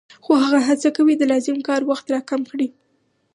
خو هغه هڅه کوي د لازم کار وخت را کم کړي